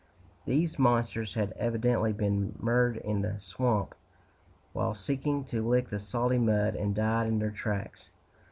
These monsters had evidently been mired in the swamp, while seeking to lick the salty mud, and died in their tracks.